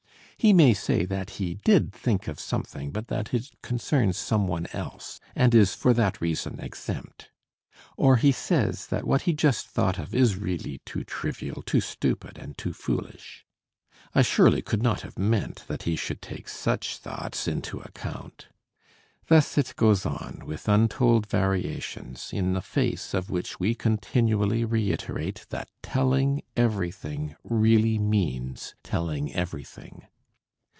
He may say that he did think of something but that it concerns someone else and is for that reason exempt. Or he says that what he just thought of is really too trivial, too stupid and too foolish. I surely could not have meant that he should take such thoughts into account. Thus it goes on, with untold variations, in the face of which we continually reiterate that "telling everything" really means telling everything.